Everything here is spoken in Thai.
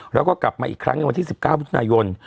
แล้วก็กลับมาอีกครั้งในวันที่๑๙มิถุนายน